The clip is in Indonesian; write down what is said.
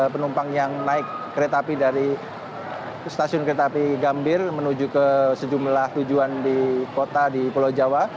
penumpang yang naik kereta api dari stasiun kereta api gambir menuju ke sejumlah tujuan di kota di pulau jawa